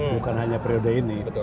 bukan hanya periode ini